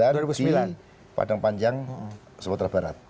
dua ribu sembilan di padang panjang sumatera barat